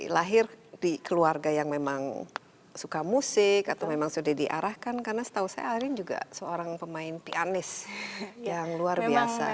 lahir di keluarga yang memang suka musik atau memang sudah diarahkan karena setahu saya arin juga seorang pemain pianis yang luar biasa